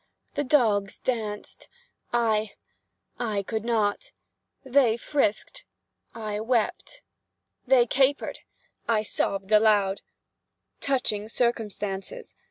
The dogs danced! I—I could not! They frisked—I wept. They capered—I sobbed aloud. Touching circumstances!